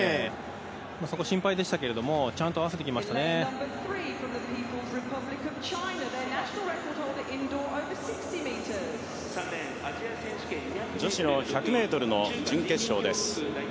そこが心配でしたけど、ちゃんと合わせ女子の１００ｍの準決勝です。